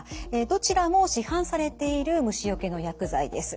どちらも市販されている虫よけの薬剤です。